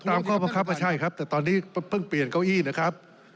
ข้อบังคับไม่ใช่ครับแต่ตอนนี้เพิ่งเปลี่ยนเก้าอี้นะครับ